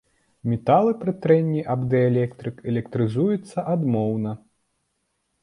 Металы пры трэнні аб дыэлектрык электрызуюцца адмоўна.